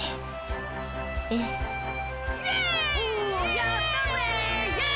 やったぜー！